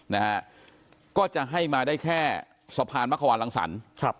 นะฮะก็จะให้มาได้แค่สะพานมควรรังสรรค์